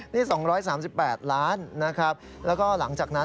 นี่๒๓๘ล้านนะครับแล้วก็หลังจากนั้น